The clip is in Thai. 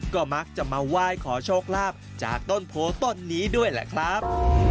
ก็มักจะมาไหว้ขอโชคลาภจากต้นโพต้นนี้ด้วยแหละครับ